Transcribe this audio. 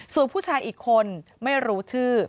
ส่วนผู้ชายอีกคนไม่รู้ชื่อ